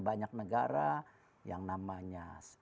banyak negara yang namanya